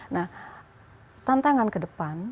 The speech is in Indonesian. nah tantangan ke depan